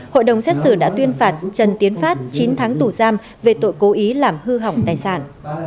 hội đồng xét xử đã tuyên phạt trần tiến phát chín tháng tù giam về tội cố ý làm hư hỏng tài sản